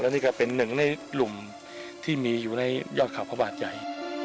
นี่ก็เป็นหนึ่งในหลุมที่มีอยู่ในยอดเขาพระบาทใหญ่